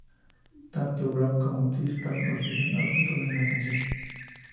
Tanto Brown como T-Pain utilizan auto-tune en la canción.